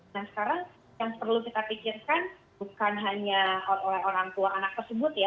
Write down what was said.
nah sekarang yang perlu kita pikirkan bukan hanya oleh orang tua anak tersebut ya